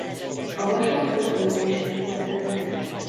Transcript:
A vasat külföldre is exportálták.